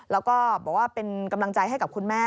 แล้วก็บอกว่าเป็นกำลังใจให้กับคุณแม่